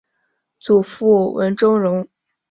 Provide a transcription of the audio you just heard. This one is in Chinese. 祖父文仲荣。